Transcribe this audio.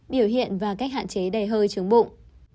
biểu hiện và cách hạn chế đầy hơi chướng bụng